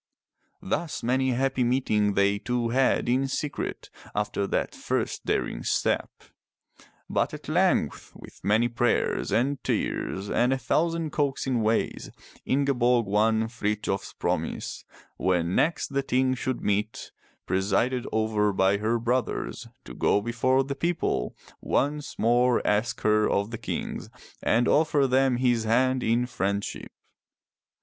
Thus many a happy meeting they two had in secret after that first daring step. But at length, with many prayers and tears and a thousand coaxing ways, Ingeborg won Frithjof's promise, when next the Ting should meet presided over by her brothers, to go before the people, once more ask her of the kings, and offer them his hand in friendship.